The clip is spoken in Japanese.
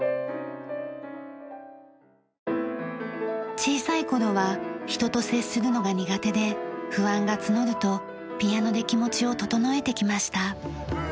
小さい頃は人と接するのが苦手で不安が募るとピアノで気持ちを整えてきました。